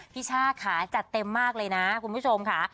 ช่าค่ะจัดเต็มมากเลยนะคุณผู้ชมค่ะ